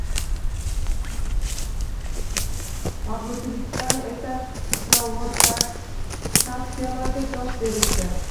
Mabutiliklar esa provokatsiyalarga dosh berishdi